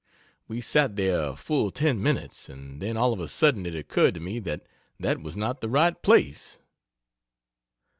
We sat there full ten minutes and then all of a sudden it occurred to me that that was not the right place.